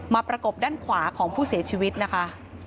ประกบด้านขวาของผู้เสียชีวิตนะคะ